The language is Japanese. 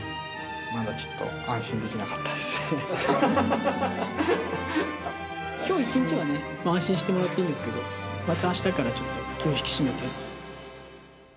まだちょっと安心できなかっきょう一日はね、安心してもらっていいんですけど、またあしたからちょっと気を引き締めて。